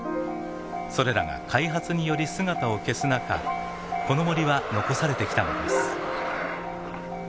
それらが開発により姿を消す中この森は残されてきたのです。